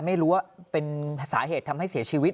ไม่รู้ว่าเป็นสาเหตุทำให้เสียชีวิต